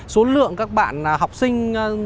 số lượng các bạn học sinh